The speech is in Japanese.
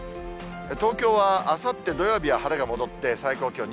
東京はあさって土曜日は晴れが戻って、最高気温２５度。